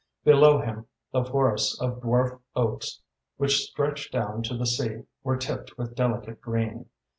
Below him, the forests of dwarf oaks which stretched down to the sea were tipped with delicate green.